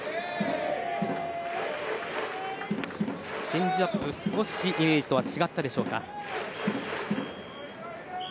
チェンジアップ、少しイメージとは違ったでしょうか。